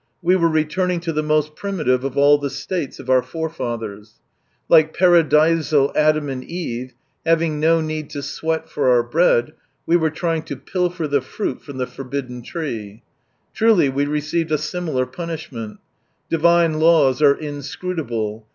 We were re turning to the most primitive of all the states of our forefathers. Like paradisal Adam and Eve, having no need to sweat for our bread, we were trying to pilfer the fruit from the forbidden tree. Truly we received a similar punishment. Divine laws are inscrutable.